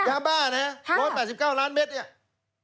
ยาบ้านะฮะ๑๘๙ล้านเมตรเนี่ย